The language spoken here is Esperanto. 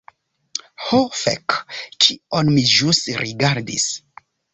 Ho fek, kion mi ĵus rigardis?